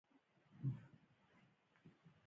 شاید په همدې خاطر سیلاني د شپې پیترا ته نه ځي.